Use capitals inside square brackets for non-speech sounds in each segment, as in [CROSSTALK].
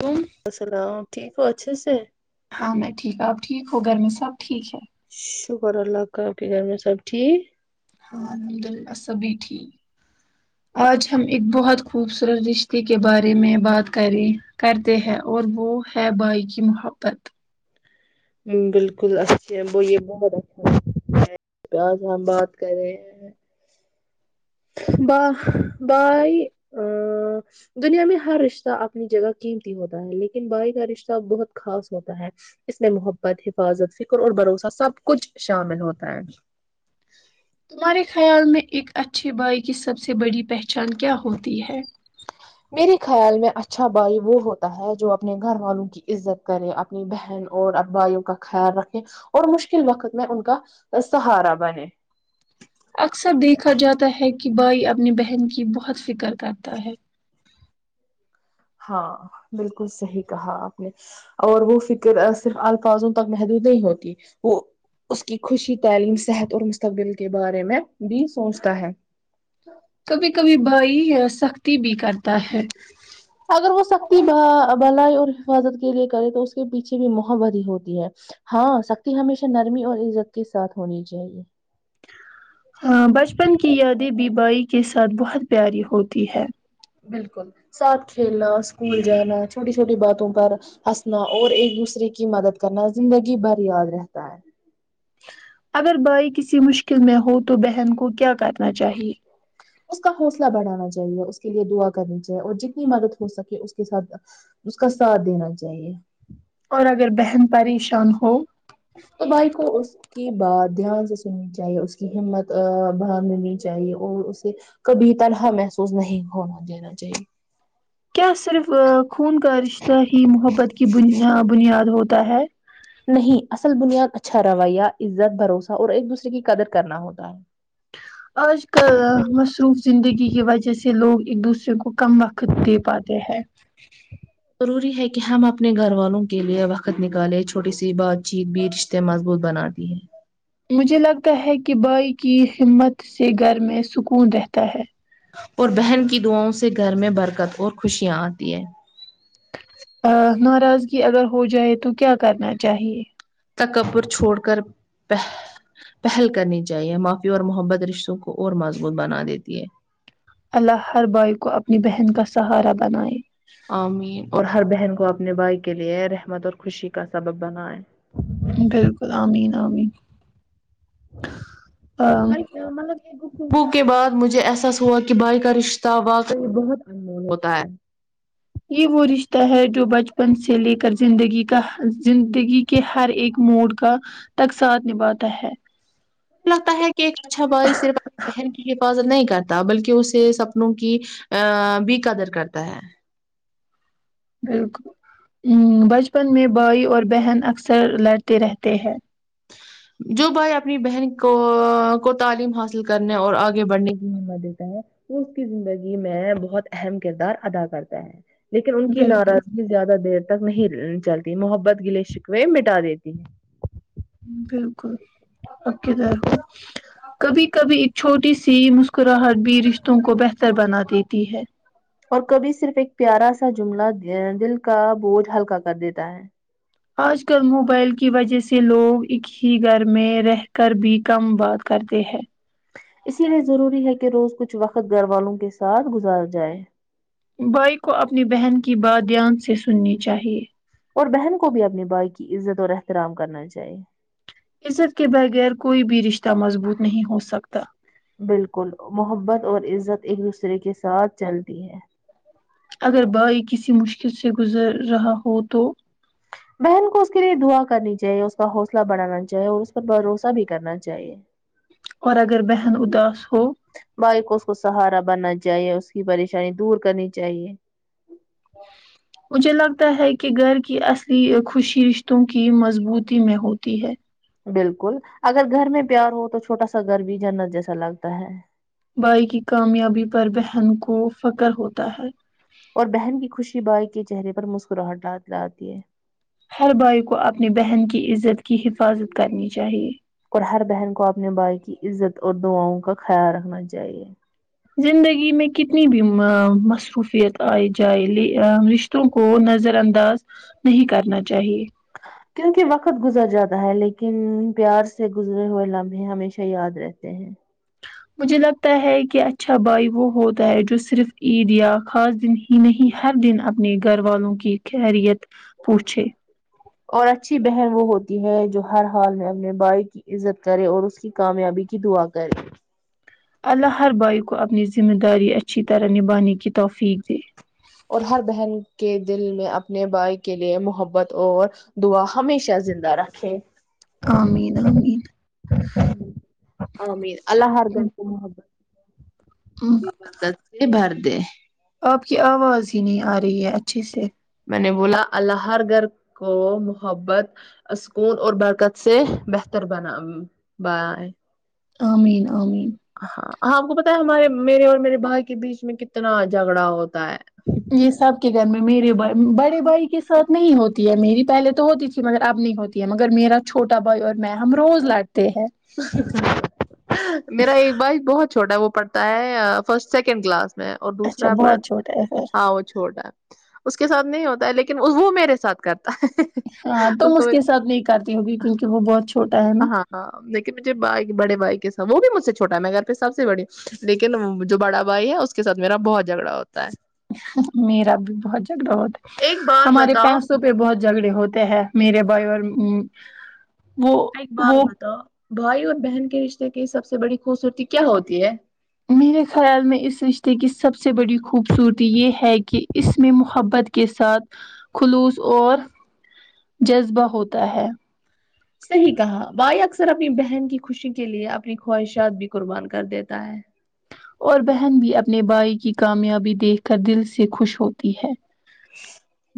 کون و سلام ٹھیک ہو اچھے سے ہاں میں ٹھیک آپ ٹھیک ہو گھر میں سب ٹھیک ہے شکر اللہ کا آپ کے گھر میں سب ٹھیک ہاں الحمد للہ سبھی ٹھیک آج ہم ایک بہت خوبصورت رشتے کے بارے میں بات کریں کرتے ہیں اور وہ ہے بائی کی محبت بالکل اچھے ہے ب یہ بہت اچھا پس ہم بات کر رہے ہیں باہ بائے ا دنیا میں ہر رشتہ اپنی جگہ قیمتی ہوتا ہے لیکن بھائی کا رشتہ بہت خاص ہوتا ہے اس میں محبت حفاظت فکر اور بھروسہ سب کچھ شامل ہوتا ہے تمہارے خیال میں ایک اچھے بائی کی سب سے بڑی پہچان کیا ہوتی ہے میرے خیال میں اچھا بھائی وہ ہوتا ہے جو اپنے گھر والوں کی عزت کرے اپنی بہن اور بھائیوں کا خیال رکھیں اور مشکل وقت میں ان کا ا سہارا بنے اکثر دیکھا جاتا ہے کہ بھائی اپنی بہن کی بہت فکر کرتا ہے ہاں بالکل صحیح کہا آپ نے اور وہ فکر صرف الفاظوں تک محدود نہیں ہوتی وہ اس کی خوشی تعلیم صحت اور مستقبل کے بارے میں بھی سوچتا ہے کبھی کبھی بھائی سختی بھی کرتا ہے اگر وہ سختی بھ بھلائی اور حفاظت کے لیے کرے تو اس کے پیچھے بھی محبت ہی ہوتی ہے ہاں سختی ہمیشہ نرمی اور عزت کے ساتھ ہونی چاہیے ہاں بچپن کی یادیں بی بھائی کے ساتھ بہت پیاری ہوتی ہے بالکل ساتھ کھیلنا اسکول جانا چھوٹی چھوٹی باتوں پر ہنسنا اور ایک دوسرے کی مدد کرنا زندگی بھر یاد رہتا ہے اگر بھائی کسی مشکل میں ہو تو بہن کو کیا کرنا چاہیے اس کا حوصلہ بڑھانا چاہیے اس کے لیے دعا کرنی چاہیے اور جتنی مدد ہو سکے اس کے ساتھ اس کا ساتھ دینا چاہیے اور اگر بہن پریشان ہو تو بھائی کو اس کی بات دھیان سے سننی چاہیے اس کی ہمت باندھنی چاہیے اور اسے کبھی تنہا محسوس نہیں ہونا دینا چاہیے کیا صرف خون کا رشتہ ہی محبت کی بنیا بنیاد ہوتا ہے نہیں اصل بنیاد اچھا رویہ عزت بھروسہ اور ایک دوسرے کی قدر کرنا ہوتا ہے آج کل مصروف زندگی کی وجہ سے لوگ ایک دوسرے کو کم وقت دے پاتے ہیں ضروری ہے کہ ہم اپنے گھر والوں کے لیے وقت نکالے چھوٹی سی بات چیت بھی رش تے مضبوط بناتی ہے مجھے لگتا ہے کہ بھائی کی ہمت سے گھر میں سکون رہتا ہے اور بہن کی دعاؤں سے گھر میں برکت اور خوشیاں آتی ہے ناراضگی اگر ہو جائے تو کیا کرنا چاہیے تکبر چھوڑ کر بہ پہل کرنی چاہیے معافی اور محبت رشتوں کو اور مضبوط بنا دیتی ہے اللہ ہر بھائی کو اپنی بہن کا سہارا بنائے امین اور ہر بہن کو اپنے بھائی کے لیے رحمت اور خوشی کا سبب بنائیں بالکل امین امین مطلب کے گفتگو کے بعد مجھے احساس ہوا کہ بائی کا رشتہ واقعی بہت انمول ہوتا ہے یہ وہ رشتہ ہے جو بچپن سے لے کر زندگی کا زندگی کہ ہر ایک موڑ کا تک ساتھ نبھاتا ہے مھ لگتا ہے کہ ایک اچھا بھائی صرف اپنی بہن کی حفاظت نہیں کرتا بلکہ اسے سپنوں کی ا بھی قدر کرتا ہے بالکل بچپن میں بھائی اور بہن اکثر لڑتے رہتے ہیں جو بھائی اپنی بہن کو کو تعلیم حاصل کرنے اور آگے بڑھنے کی ہمت دیتا ہے وہ اس کی زندگی میں بہت اہم کردار ادا کرتا ہے لیکن ان کی بالکل ناراضگی زیادہ دیر تک نہیں چلتی محبت گلے شکوے مٹا دیتی ہے بالکل اب کدھر ہو کبھی کبھی ایک چھوٹی سی مسکراہٹ بھی رشتوں کو بہتر بنا دیتی ہے اور کبھی صرف ایک پیارا سا جملہ دل کا بوجھ ہلکا کر دیتا ہے آج کل موبائل کی وجہ سے لوگ ایک ہی گھر میں رہ کر بھی کم بات کرتے ہیں اسی لیے ضروری ہے کہ روز کچھ وقت گھر والوں کے ساتھ گزار جائے بھائی کو اپنی بہن کی بات دھیان سے سننی چاہیے اور بہن کو بھی اپنی بائی کی عزت اور احترام کرنا چاہیے عزت کے بغیر کوئی بھی رشتہ مضبوط نہیں ہو سکتا بالکل محبت اور عزت ایک دوسرے کے ساتھ چلتی ہے اگر بھائی کسی مشکل سے گزر رہا ہو تو بہن کو اس کے لیے دعا کرنی چاہیے اس کا حوصلہ بڑھانا چاہے اور اس پر بھروسہ بھی کرنا چاہیے اور اگر بہن اداس ہو بھائی کو اس کو سہارا بننا چاہیے اس کی پریشانی دور کرنی چاہیے مجھے لگتا ہے کہ گھر کی اصلی خوشی رشتوں کی مضبوطی میں ہوتی ہے بالکل اگر گھر میں پیار ہو تو چھوٹا سا گھر بھی جنت جیسا لگتا ہے بھائی کی کامیابی پر بہن کو فخر ہوتا ہے اور بہن کی خوشی بائی کے چہرے پر مسکراہٹ لاتی ہے ہر بھائی کو اپنی بہن کی عزت کی حفاظت کرنی چاہیے اور ہر بہن کو اپنے بھائی کی عزت اور دعاؤں کا خیال رکھنا چاہیے زندگی میں کتنی بھی مصروفیت آئی جائے رش توں کو نظر انداز نہیں کرنا چاہیے کیونکہ وقت گزر جاتا ہے لیکن پیار سے گزرے ہوئے لمحے ہمیشہ یاد رہتے ہیں مجھے لگتا ہے کہ اچھا بھائی وہ ہوتا ہے جو صرف عید یا خاص دن نہیں ہر دن اپنے گھر والوں کی خیریت پوچھے اور اچھی بہن وہ ہوتی ہے جو ہر حال میں اپنے بھائی کی عزت کرے اور اس کی کامیابی کی دعا کرے اللہ ہر بھائی کو اپنی ذمہ داری اچھی طرح نبھانے کی توفیق دے اور ہر بہن کے دل میں اپنے بھائی کے لیے محبت اور دعا ہمیشہ زندہ رکھے آمین آمین آمین اللہ حر کو محبت [UNINTELLIGIBLE] محبت سے بھر دے آپ کی آواز ہی نہیں آ رہی ہے اچھے سے میں نے بولا اللہ ہر گھر کو محبت سکون اور برکت سے بہتر بنا بنا ۓ آ مین آ مین ہاں آپ کو پتا ہے ہمارے میرے اور میرے بھائی کے بیچ میں کتنا جھگڑا ہوتا ہے یہ سب کے گھر میں میرے ب بڑے بھائی کے ساتھ نہیں ہوتی ہے میری پہلے تو ہوتی تھی مگر اب نہیں ہوتی مگر میرا چھوٹا بھائی اور میں ہم روز لڑتے ہیں میرا ایک بھائی بہت چھوٹا ہے وہ پڑھتا ہے فرسٹ سیکنڈ کلاس میں اور دوسر اچھا ا پر بہت چھوٹا ہے ہاں وہ چھوٹا ہے اس کے ساتھ نہیں ہوتا ہے لیکن وہ میرے ساتھ کرتا ہے ہاں تم اس کے ساتھ نہیں کرتی ہوگی کیونکہ وہ بہت چھوٹا ہے نا ہاں ہاں لیکن مجھے بھائی بڑے بھائی سے وہ بھی مجھ سے چھوٹا ہے میں گھر پہ سب سے بڑی ہوں لیکن جو بڑا بھائی ہے اس اس کے سات میرا بہت جھگڑا ہوتا ہے میرا بھی بہت جھگڑا ہوتا ہے ایک بات ہمارے بتاؤ پیسوں پہ بہت جھگڑے ہوتے ہیں میرے بھائی اور وہ ایک بات وہ بتاؤ بھائی اور بہن کے رشتے کی سب سے بڑی خوبصورتی کیا ہوتی ہے میرے خیال میں اس رشتے کی سب سے بڑی خوبصورتی یہ ہے کہ اس میں محبت کے ساتھ خلوص اور جذبہ ہوتا ہے صحیح کہا بھائی اکثر اپنی بہن کی خوشی کے لیے اپنی خواہشات بھی قربان کر دیتا ہے اور بہن بھی اپنے بھائی کی کامیابی دیکھ کر دل سے خوش ہوتی ہے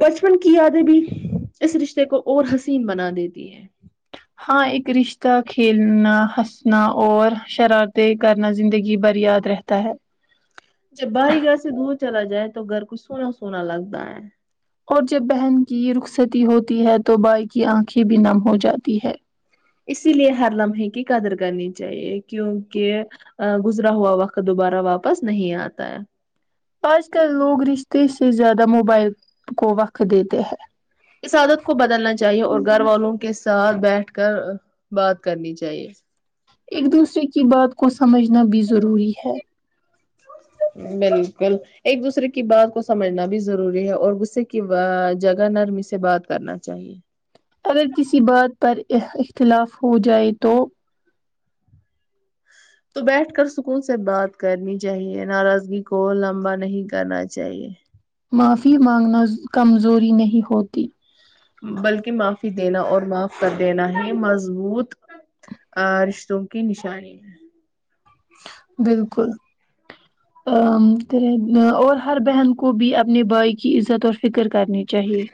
بچپن کی یادیں بھی اس رشتے کو اور حسین بنا دیتی ہیں ہاں ایک رشتہ کھیلنا ہنسنا اور شرارتیں کرنا زندگی بھر یاد رہتا ہے جب بھائی گھر سے دور چلا جائے تو گھر کچھ سونا سونا لگتا ہے اور جب بہن کی رخصتی ہوتی ہے تو بھائی کی آنکھیں بھی نم ہو جاتی ہے اسی لیے ہر لمحے کی قدر کرنی چاہیے کیونکہ گزرا ہوا وقت دوبارہ واپس نہیں آتا ہے آج کل لوگ رشتے سے زیادہ موبائل کو وقت دیتے ہیں اس عادت کو بدلنا چاہیے اور گھر والوں کے ساتھ بیٹھ کر بات کرنی چاہیے ایک دوسرے کی بات کو سمجھنا بھی ضروری ہے بالکل ایک دوسرے کی بات کو سمجھنا بھی ضروری ہے اور غصے کی جگہ نرمی سے بات کرنا چاہیے اگر کسی بات پر اختلاف ہو جائے تو تو بیٹھ کر سکون سے بات کرنی چاہیے ناراضگی کو لمبا نہیں کرنا چاہیے معافی مانگنا کمزوری نہیں ہوتی بلکہ معافی دینا اور معاف کر دینا ہی مضبوط ا رشتوں کی نشانی ہے بالکل عنقریب اور ہر بہن کو بھی اپنے بھائی کی عزت اور فکر کرنی چاہیے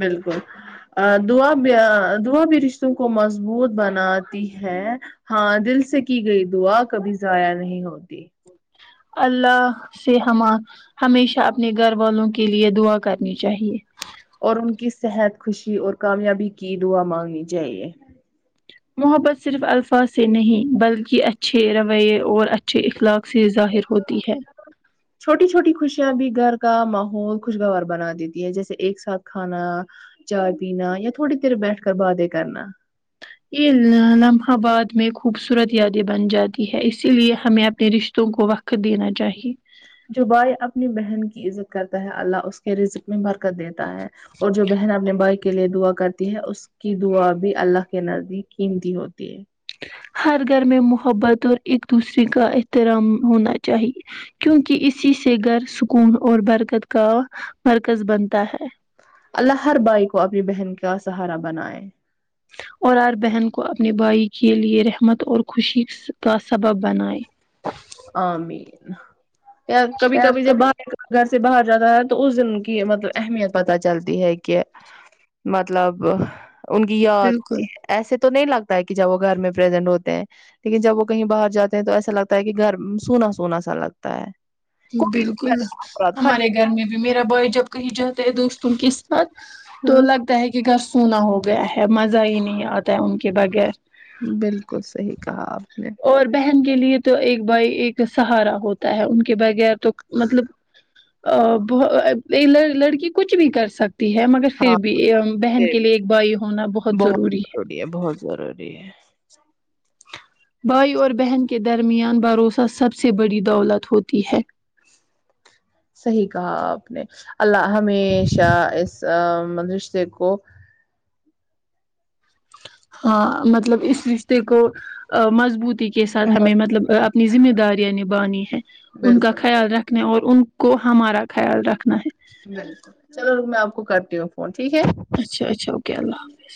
بالکل ا دعا بھی دعا بھی رشتوں کو مضبوط بناتی ہے ہاں دل سے کی گئی دعا کبھی ضائع نہیں ہوتی اللہ سے ہم ہمیشہ اپنے گھر والوں کے لیے دعا کرنی چاہیے اور ان کی صحت خوشی اور کامیابی کی دعا مانگنی چاہیے محبت صرف الفاظ سے نہیں بلکہ اچھے رویے اور اچھے اخلاق سے ظاہر ہوتی ہے چھوٹی چھوٹی خوشیاں بھی گھر کا ماحول خوشگوار بنا دیتی ہے جیسے ایک ساتھ کھانا چائے پینا یا تھوڑی دیر بیٹھ کر باتیں کرنا یہ لمحہ بعد میں خوبصورت یادیں بن جاتی ہے اسی لیے ہمیں اپنے رشتوں کو وقت کھ دینا چاہیے جو بائے اپنی بہن کی عزت کرتا ہے اللہ اس کے رزق میں برکت دیتا ہے اور جو بہن اپنے بھائی کے لیے دعا کرتی ہے اس کی دعا بھی اللہ کے نزدیک قیمتی ہوتی ہے ہر گھر میں محبت اور ایک دوسرے کا احترام ہونا چاہیے کیونکہ اسی سے گھر سکون اور برکت کا مرکز بنتا ہے اللہ ہر بھائی کو اپنی بہن کا سہارا بنائے اور ہر بہن کو اپنے بھائی کے لیے رحمت اور خوشی کا سبب بنائے امین کبھی کبھی جب بھر گھر سے باہر جاتا ہے تو اس دن کی مطلب اہمیت پتہ چلتی ہے کہ مطلب ان کی یاد بالکل آتی ہے ایسے تو نہیں لگتا ہے کہ جب وہ گھر میں پریزینٹ ہوتے ہیں لیکن جب وہ کہیں باہر جاتے ہیں تو ایسا لگتا ہے کہ گھر ھم سونا سونا سا لگتا ہے بالکل افراد خالی ہمارے گھر میں بھی میرا بھائی جب کہیں جاتا ہے دوستوں کس تو ہاں لگتا ہے کہ گھر سونا ہو گیا ہے مزہ ہی نہیں آتا ہے ان کے بغیر بالکل صحیح کہا آپ نے اور بہن کے لیے تو ایک بھائی ایک سہارا ہوتا ہے ان کے بغیر تو مطلب ابھ لڑ لڑکی کچھ بھی کر سک تی ہے مگر پھر ہاں بھی بہن کے لیے ایک بھائی ہونا بہت ضروری ہے یہ بہت ضروری ہے بھائی اور بہن کے درمیان بھروسہ سب سے بڑی دولت ہوتی ہے صحیح کہا آپ نے اللہ ہمیشہ اس م رشتے کو ہاں مطلب اس رشتے کو مضبوط کے ساتھ ہمیں مطلب اپ نی ذمہ داریاں نبھانی ہیں ان کا بالکل خیال رکھ اپنے اور ان کو ہمارا خیال رکھنا ہے بالکل چلو میں آپ کو کرتی ہوں فون ٹھیک ہے اچھا اچھا اوکے اللہ حافظ